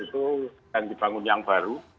itu akan dibangun yang baru